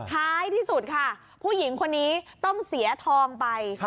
ท้ายที่สุดค่ะผู้หญิงคนนี้ต้องเสียทองไป